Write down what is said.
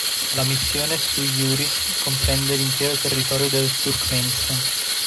La missione sui iuris comprende l'intero territorio del Turkmenistan.